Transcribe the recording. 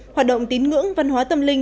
hoạt động tín ngưỡng văn hóa tâm linh